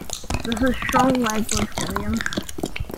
This is strong language, William.